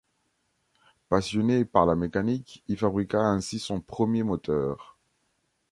Passionné par la mécanique il fabriqua ainsi son premier moteur.